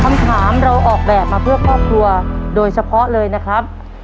คำถามเราออกแบบมาเพื่อครอบครัวโดยเฉพาะเลยนะครับ